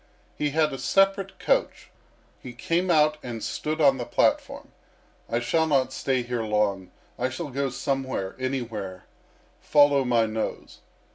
He had a separate coach. He came out and stood on the platform... I shall not stay here long; I shall go somewhere, anywhere, follow my nose."